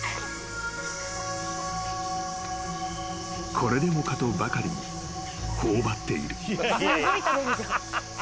［これでもかとばかりに頬張っている］